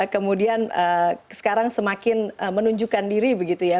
kemudian sekarang semakin menunjukkan diri begitu ya